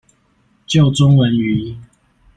救中文語音